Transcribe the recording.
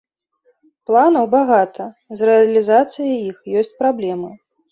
Планаў багата, з рэалізацыяй іх ёсць праблемы.